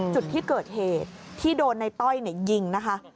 จุดที่เกิดเหตุที่โดนในต้อยยิงนะคะ